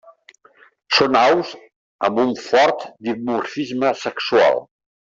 Són aus amb un fort dimorfisme sexual.